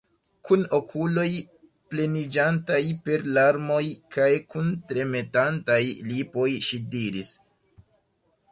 Kun okuloj pleniĝantaj per larmoj kaj kun tremetantaj lipoj ŝi diris: